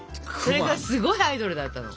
それがすごいアイドルだったの。